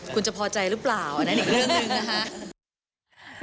คุณจะพอใจหรือเปล่าอันนั้นอีกเรื่องหนึ่งนะคะ